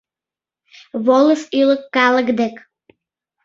Волыш ӱлык калык дек.